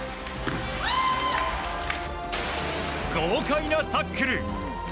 豪快なタックル！